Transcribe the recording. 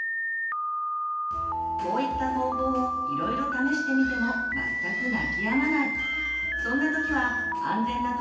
こういった方法をいろいろ試してみても全く泣きやまない！